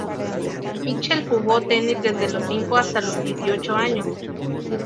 Mitchell jugó tenis desde los cinco hasta los dieciocho años.